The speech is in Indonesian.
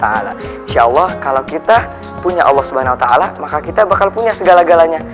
insya allah kalau kita punya allah swt maka kita bakal punya segala galanya